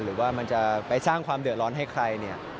หรือว่ามันจะไปสร้างความเดือดร้อนให้ใครเนี่ย